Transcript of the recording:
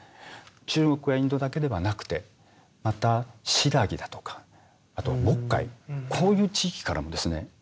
中国やインドだけではなくてまた新羅だとかあと渤海こういう地域からもですね